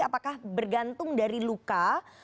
apakah bergantung dari luka